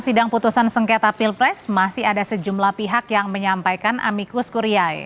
sidang putusan sengketa pilpres masih ada sejumlah pihak yang menyampaikan amikus kuriae